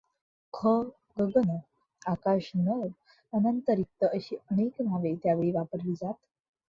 ख गगन आकाश नभ अनंत रिक्त अशी अनेक नावे त्यावेळी वापरली जात.